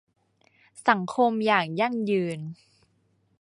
สังคมอย่างยั่งยืน